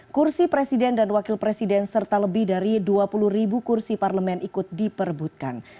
kursi presiden dan wakil presiden serta lebih dari dua puluh ribu kursi parlemen ikut diperbutkan